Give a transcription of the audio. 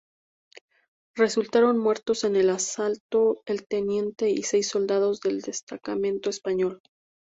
Resultaron muertos en el asalto el teniente y seis soldados del destacamento español.